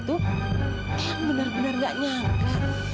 tuh benar benar gak nyangka